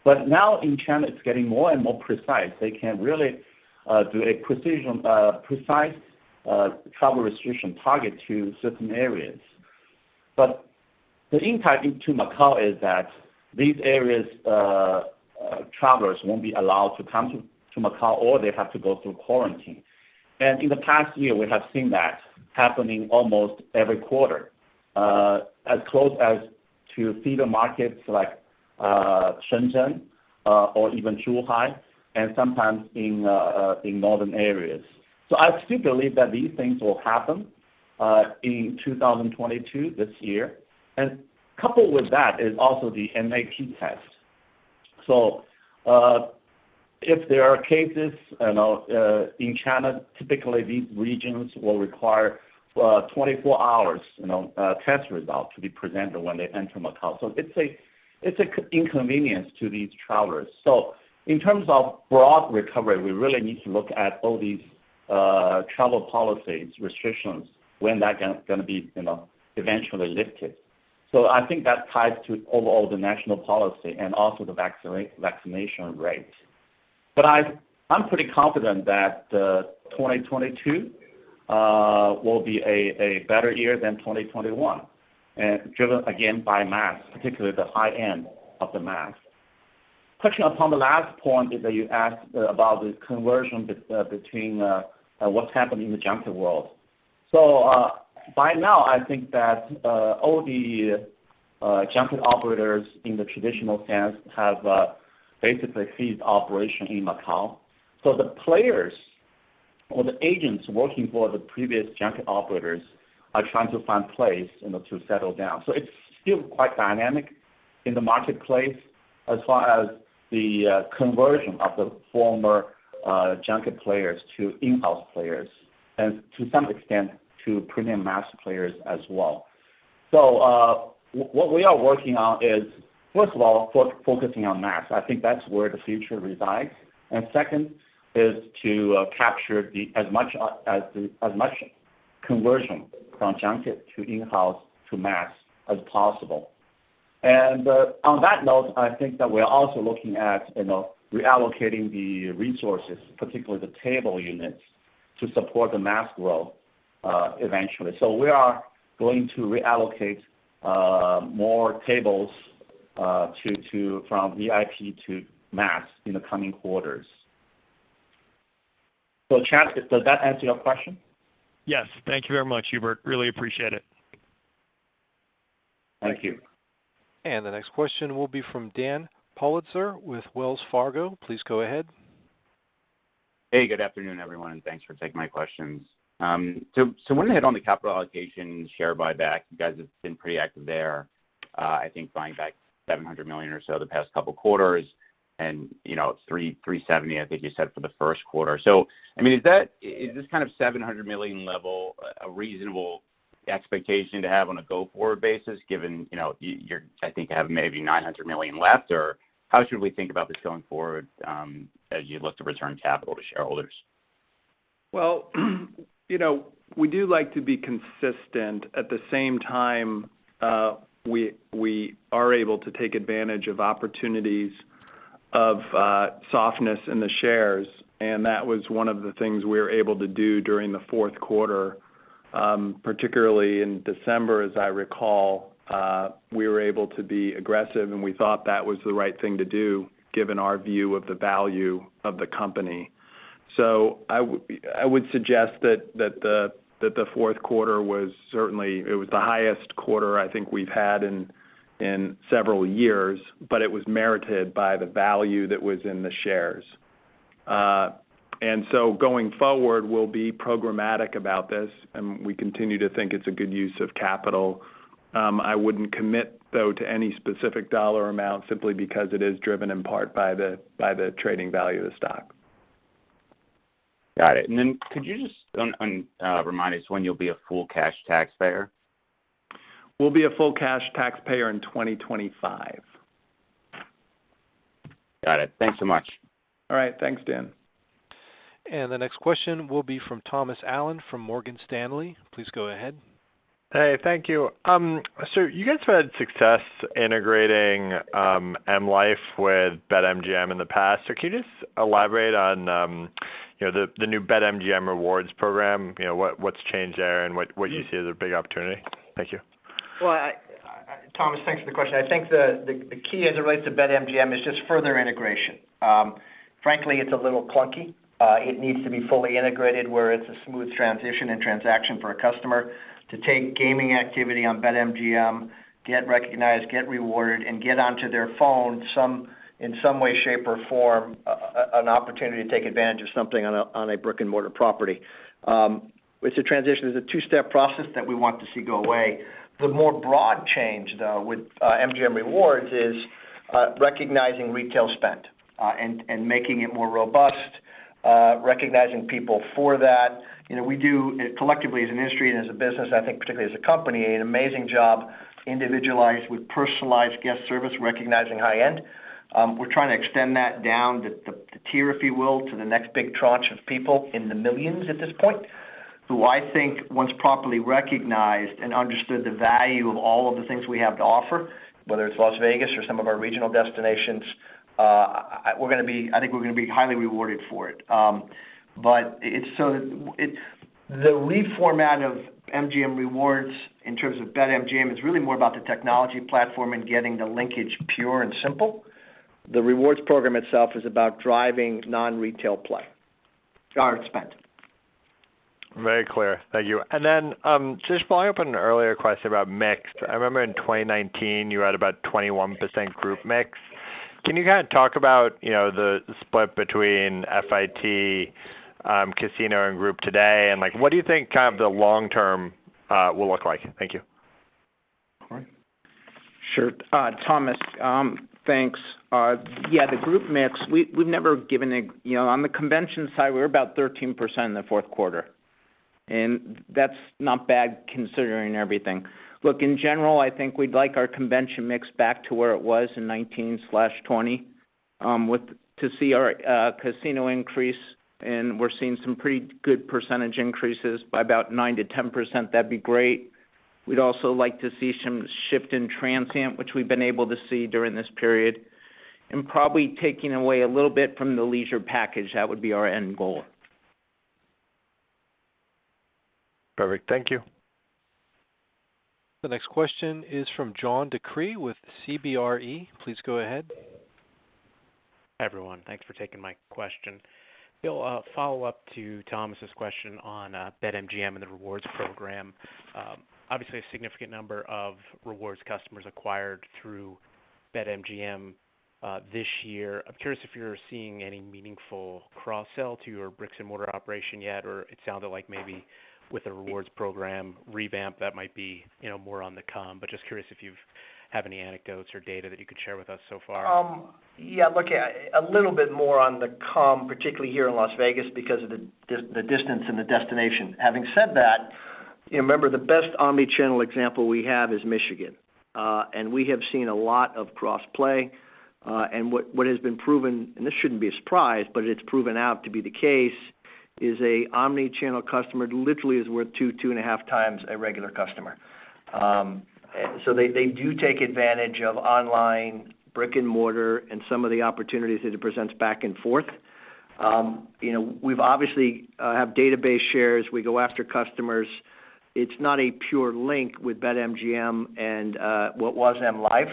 Now in China, it's getting more and more precise. They can really do a precise travel restriction target to certain areas. The impact into Macau is that these areas travelers won't be allowed to come to Macau or they have to go through quarantine. In the past year, we have seen that happening almost every quarter, as close as to the markets like Shenzhen or even Zhuhai, and sometimes in northern areas. I still believe that these things will happen in 2022, this year. Coupled with that is also the NAT test. If there are cases, you know, in China, typically these regions will require 24-hour test results to be presented when they enter Macau. It's an inconvenience to these travelers. In terms of broad recovery, we really need to look at all these travel policies, restrictions, when they're gonna be, you know, eventually lifted. I think that ties to overall the national policy and also the vaccination rate. I'm pretty confident that 2022 will be a better year than 2021, driven again by mass, particularly the high end of the mass. Touching upon the last point that you asked about the conversion between what's happening in the junket world. By now, I think that all the junket operators in the traditional sense have basically ceased operation in Macau. The players or the agents working for the previous junket operators are trying to find place, you know, to settle down. It's still quite dynamic in the marketplace as far as the conversion of the former junket players to in-house players, and to some extent, to premium mass players as well. What we are working on is, first of all, focusing on mass. I think that's where the future resides. Second is to capture as much conversion from junket to in-house to mass as possible. On that note, I think that we're also looking at, you know, reallocating the resources, particularly the table units, to support the mass growth eventually. We are going to reallocate more tables from VIP to mass in the coming quarters. Chad, does that answer your question? Yes. Thank you very much, Hubert. Really appreciate it. Thank you. The next question will be from Dan Politzer with Wells Fargo. Please go ahead. Hey, good afternoon, everyone, and thanks for taking my questions. So, I want to hit on the capital allocation share buyback. You guys have been pretty active there. I think buying back $700 million or so the past couple quarters and, you know, $370, I think you said, for the first quarter. I mean, is that, is this kind of $700 million level a reasonable expectation to have on a go-forward basis given, you know, you're, I think, have maybe $900 million left? Or how should we think about this going forward, as you look to return capital to shareholders? Well- You know, we do like to be consistent. At the same time, we are able to take advantage of opportunities of softness in the shares, and that was one of the things we were able to do during the fourth quarter. Particularly in December as I recall, we were able to be aggressive, and we thought that was the right thing to do given our view of the value of the company. I would suggest that the fourth quarter was certainly the highest quarter I think we've had in several years, but it was merited by the value that was in the shares. Going forward, we'll be programmatic about this, and we continue to think it's a good use of capital. I wouldn't commit though to any specific dollar amount simply because it is driven in part by the trading value of the stock. Got it. Could you just remind us when you'll be a full cash taxpayer? We'll be a full cash taxpayer in 2025. Got it. Thanks so much. All right. Thanks, Dan. The next question will be from Thomas Allen from Morgan Stanley. Please go ahead. Hey, thank you. You guys have had success integrating M life with BetMGM in the past. Can you just elaborate on, you know, the new BetMGM rewards program? You know, what's changed there, and what you see as a big opportunity? Thank you. Thomas, thanks for the question. I think the key as it relates to BetMGM is just further integration. Frankly, it's a little clunky. It needs to be fully integrated where it's a smooth transition and transaction for a customer to take gaming activity on BetMGM, get recognized, get rewarded, and get onto their phone in some way, shape, or form an opportunity to take advantage of something on a brick-and-mortar property. It's a transition. It's a two-step process that we want to see go away. The more broad change, though, with MGM Rewards is recognizing retail spend and making it more robust, recognizing people for that. You know, we do collectively as an industry and as a business, I think particularly as a company, an amazing job individualized with personalized guest service, recognizing high end. We're trying to extend that down the tier, if you will, to the next big tranche of people in the millions at this point, who I think once properly recognized and understood the value of all of the things we have to offer, whether it's Las Vegas or some of our regional destinations, we're gonna be. I think we're gonna be highly rewarded for it. The lead format of MGM Rewards in terms of BetMGM is really more about the technology platform and getting the linkage pure and simple. The rewards program itself is about driving non-retail play or spend. Very clear. Thank you. Just following up on an earlier question about mix. I remember in 2019, you had about 21% group mix. Can you kind of talk about, you know, the split between FIT, casino and group today? Like, what do you think kind of the long term will look like? Thank you. Corey? Sure. Thomas, thanks. Yeah, the group mix, we've never given a. You know, on the convention side, we're about 13% in the fourth quarter, and that's not bad considering everything. Look, in general, I think we'd like our convention mix back to where it was in 2019/2020 with to see our casino increase, and we're seeing some pretty good percentage increases by about 9%-10%. That'd be great. We'd also like to see some shift in transient, which we've been able to see during this period, and probably taking away a little bit from the leisure package. That would be our end goal. Perfect. Thank you. The next question is from John DeCree with CBRE. Please go ahead. Hi, everyone. Thanks for taking my question. Bill, a follow-up to Thomas' question on BetMGM and the rewards program. Obviously a significant number of rewards customers acquired through BetMGM this year. I'm curious if you're seeing any meaningful cross-sell to your bricks and mortar operation yet, or it sounded like maybe with the rewards program revamp, that might be, you know, more on the come. Just curious if you have any anecdotes or data that you could share with us so far. Look, a little bit more on the comps, particularly here in Las Vegas because of the distance and the destination. Having said that, you know, remember the best omni-channel example we have is Michigan. We have seen a lot of cross-play, and what has been proven, and this shouldn't be a surprise, but it's proven out to be the case, is a omni-channel customer literally is worth 2-2.5 times a regular customer. They do take advantage of online brick-and-mortar and some of the opportunities that it presents back and forth. You know, we've obviously have database shares. We go after customers. It's not a pure link with BetMGM and what was M life,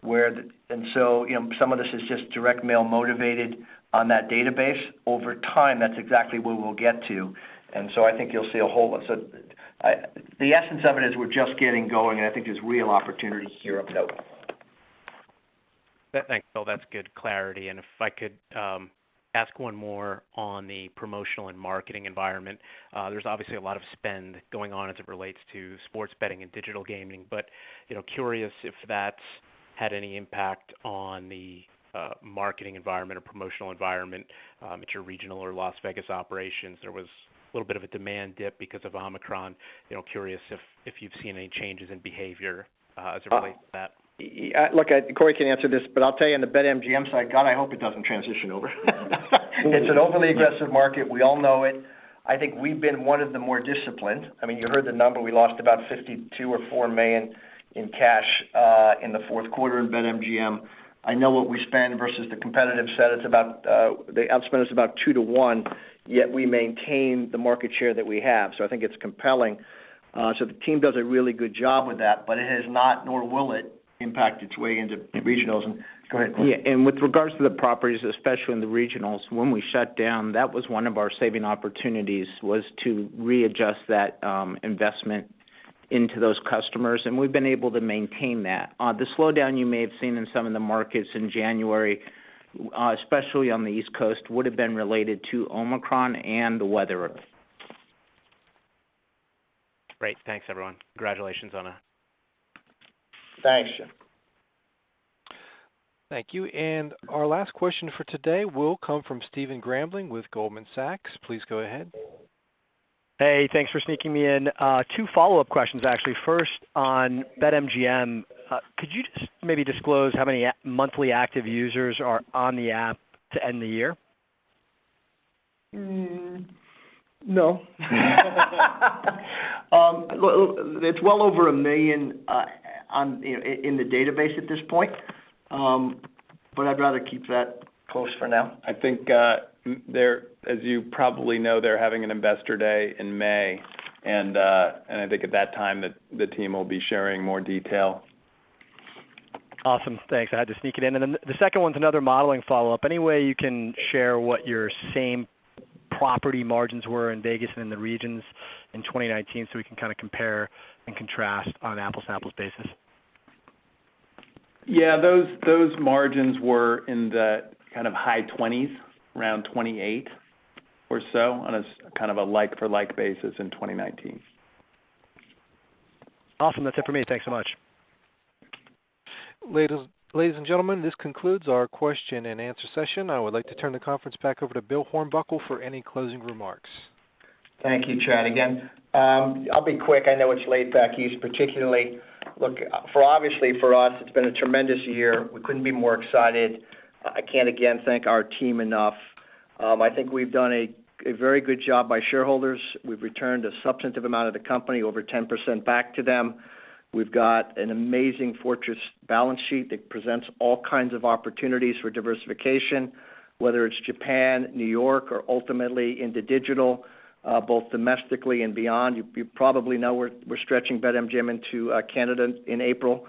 where you know, some of this is just direct mail motivated on that database. Over time, that's exactly where we'll get to. I think you'll see a whole lot. The essence of it is we're just getting going, and I think there's real opportunity here of note. Thanks, Bill. That's good clarity. If I could ask one more on the promotional and marketing environment. There's obviously a lot of spend going on as it relates to sports betting and digital gaming, but you know, curious if that's had any impact on the marketing environment or promotional environment at your regional or Las Vegas operations. There was a little bit of a demand dip because of Omicron, you know, curious if you've seen any changes in behavior as it relates to that. Look, Corey can answer this, but I'll tell you on the BetMGM side, God, I hope it doesn't transition over. It's an overly aggressive market. We all know it. I think we've been one of the more disciplined. I mean, you heard the number. We lost about $52 million or $54 million in cash in the fourth quarter in BetMGM. I know what we spend versus the competitive set. It's about, they outspend us about two-one, yet we maintain the market share that we have. I think it's compelling. The team does a really good job with that, but it has not, nor will it impact its way into regionals and go ahead, Corey. Yeah. With regards to the properties, especially in the regionals, when we shut down, that was one of our saving opportunities, was to readjust that, investment into those customers. We've been able to maintain that. The slowdown you may have seen in some of the markets in January, especially on the East Coast, would have been related to Omicron and the weather. Great. Thanks, everyone. Congratulations on Thanks. Thank you. Our last question for today will come from Stephen Grambling with Goldman Sachs. Please go ahead. Hey, thanks for sneaking me in. Two follow-up questions, actually. First, on BetMGM, could you just maybe disclose how many monthly active users are on the app to end the year? No, well, it's well over 1 million in the database at this point, but I'd rather keep that close for now. I think, as you probably know, they're having an investor day in May, and I think at that time the team will be sharing more detail. Awesome. Thanks. I had to sneak it in. The second one's another modeling follow-up. Any way you can share what your same property margins were in Vegas and in the regions in 2019 so we can kinda compare and contrast on an apples-to-apples basis? Yeah, those margins were in the high 20s, around 28% or so on a like-for-like basis in 2019. Awesome. That's it for me. Thanks so much. Ladies, ladies and gentlemen, this concludes our question and answer session. I would like to turn the conference back over to Bill Hornbuckle for any closing remarks. Thank you, Chad. Again, I'll be quick. I know it's late back east particularly. Look, obviously for us it's been a tremendous year. We couldn't be more excited. I can't again thank our team enough. I think we've done a very good job by shareholders. We've returned a substantive amount of the company, over 10% back to them. We've got an amazing fortress balance sheet that presents all kinds of opportunities for diversification, whether it's Japan, New York, or ultimately into digital, both domestically and beyond. You probably know we're stretching BetMGM into Canada in April.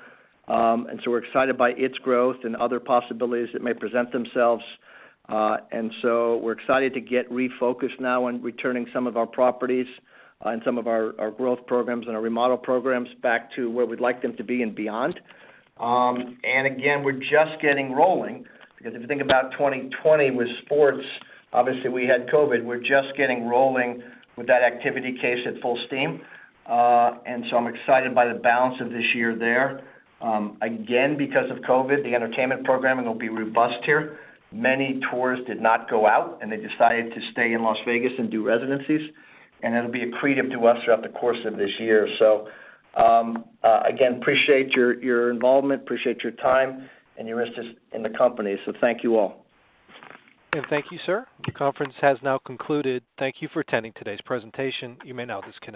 We're excited by its growth and other possibilities that may present themselves. We're excited to get refocused now on returning some of our properties and some of our growth programs and our remodel programs back to where we'd like them to be and beyond. We're just getting rolling, because if you think about 2020 with sports, obviously we had COVID. We're just getting rolling with that activity pace at full steam. I'm excited by the balance of this year there. Because of COVID, the entertainment programming will be robust here. Many tours did not go out, and they decided to stay in Las Vegas and do residencies, and it'll be accretive to us throughout the course of this year. Appreciate your involvement, appreciate your time and your interest in the company. Thank you all. Thank you, sir. The conference has now concluded. Thank you for attending today's presentation. You may now disconnect.